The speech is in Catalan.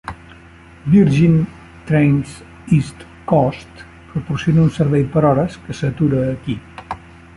Virgin Trains East Coast proporciona un servei per hores que s'atura aquí.